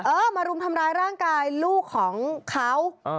เออมารุมทำร้ายร่างกายลูกของเขา